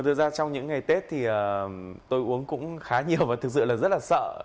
thực ra trong những ngày tết thì tôi uống cũng khá nhiều và thực sự là rất là sợ